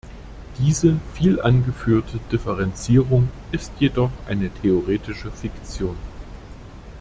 Diese viel angeführte Differenzierung ist jedoch eine theoretische Fiktion.